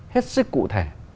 hết sức cụ thể